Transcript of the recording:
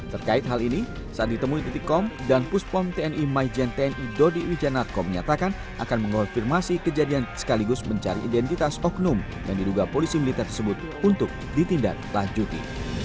terkait hal ini saat ditemui titik kom dan pushpom tni mygentni diwijanat com menyatakan akan mengonfirmasi kejadian sekaligus mencari identitas oknum yang diduga polisi militer tersebut untuk ditindak lanjuti